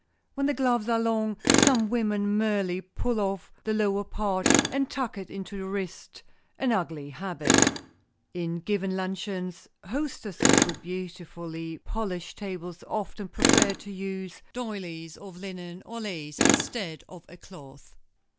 When the gloves are long, some women merely pull off the lower part and tuck it into the wrist, an ugly habit. In giving luncheons, hostesses with beautifully polished tables often prefer to use doilies of linen or lace instead of a cloth.